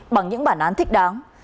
bằng những bản án thích đáng